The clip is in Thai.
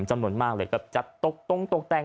จำนวนมากเลยก็จัดตกตรงตกแต่ง